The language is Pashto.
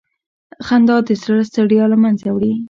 خندا د زړه ستړیا له منځه وړي.